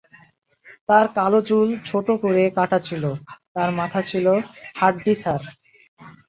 তার কালো চুল ছোট করে কাটা ছিল, তার মাথা ছিল হাড্ডিসার।